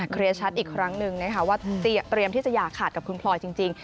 เคลียร์ชัดอีกครั้งนึงนะคะว่าเตรียมที่จะอย่าขาดกับคุณพลอยจริง